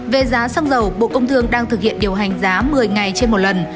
về giá xăng dầu bộ công thương đang thực hiện điều hành giá một mươi ngày trên một lần